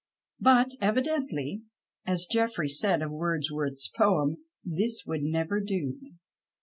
Hut evidently, as Jeffery said of Wordsworth's poem, this would never do.